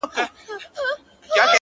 بدل کړيدی ـ